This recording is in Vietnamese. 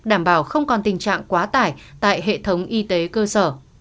đảm bảo không còn tình trạng quá tải tại hệ thống y tế cơ sở